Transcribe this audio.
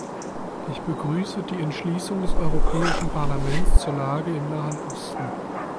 Ich begrüße die Entschließung des Europäischen Parlaments zur Lage im Nahen Osten.